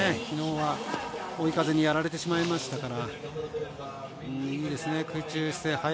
昨日は追い風にやられてしまいましたから。